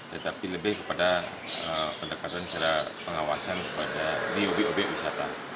tetapi lebih kepada pendekatan secara pengawasan kepada di obyek obyek wisata